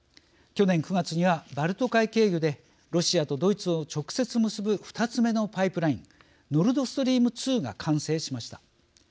去年９月にはバルト海経由でロシアとドイツを直接結ぶ２つ目のパイプライン「ノルドストリーム２」が完成しました。